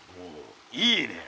いいねえ。